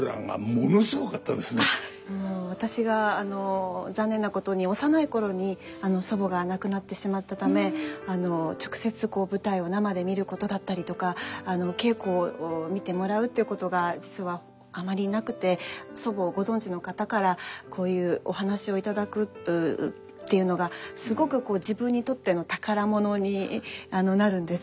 私があの残念なことに幼い頃に祖母が亡くなってしまったため直接舞台を生で見ることだったりとかお稽古を見てもらうっていうことが実はあまりなくて祖母をご存じの方からこういうお話を頂くっていうのがすごくこう自分にとっての宝物になるんです。